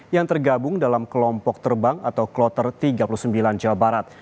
yang tergabung dalam kelompok terbang atau kloter tiga puluh sembilan jawa barat